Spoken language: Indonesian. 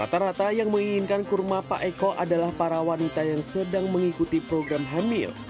rata rata yang menginginkan kurma pak eko adalah para wanita yang sedang mengikuti program hamil